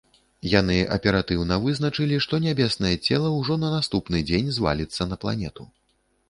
Яны аператыўна вызначылі, што нябеснае цела ўжо на наступны дзень зваліцца на планету.